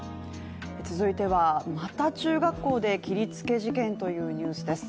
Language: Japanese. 続いては、また中学校で切りつけ事件というニュースです。